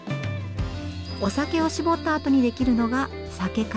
お酒を搾ったあとに出来るのが酒粕。